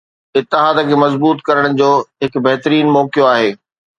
اتحاد کي مضبوط ڪرڻ جو هڪ بهترين موقعو آهي